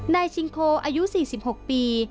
นายชิงโคอายุ๔๖ปี